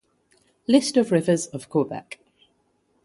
List of rivers of Quebec